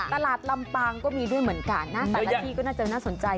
ตลาดลำปางก็มีด้วยเหมือนกันน่าสามารถที่ก็น่าจะน่าสนใจ